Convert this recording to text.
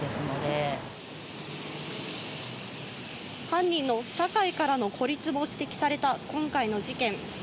犯人の社会からの孤立も指摘された今回の事件。